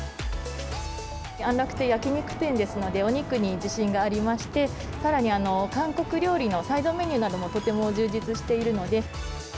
安楽亭、焼き肉店ですので、お肉に自信がありまして、さらに、韓国料理のサイドメニューなどもとても充実しているので。